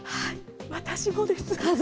私もです。